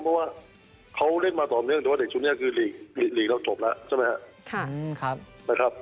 เพราะว่าเขาเล่นมาต่อเนื่องแต่ว่าเด็กชุดนี้คือหลีกเราจบแล้วใช่ไหมครับ